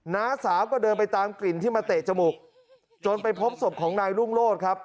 น้าสาวก็เดินไปตามกลิ่นที่มาเตะจมูกจนไปพบศพของนายรุ่งโลศครับ